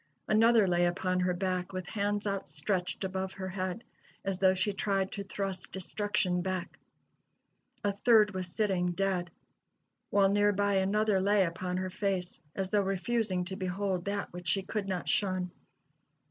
Another lay upon her back, with hands outstretched above her head, as though she tried to thrust destruction back. A third was sitting, dead; while near by another lay upon her face, as though refusing to behold that which she could not shun.